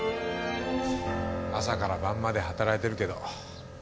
朝から晩まで働いてるけど。